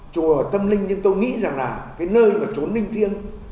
chùa tâm linh nhưng tôi nghĩ rằng là cái nơi mà trốn linh thiêng